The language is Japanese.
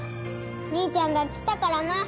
兄ちゃんが来たからな